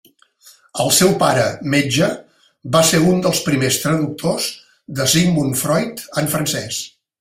El seu pare, metge, va ser un dels primers traductors de Sigmund Freud en francès.